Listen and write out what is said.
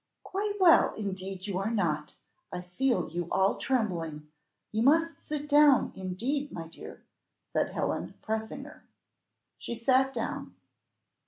"Quite well! indeed you are not. I feel you all trembling. You must sit down, indeed, my dear," said Helen, pressing her. She sat down.